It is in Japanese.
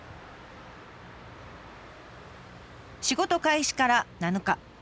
仕事開始から７日。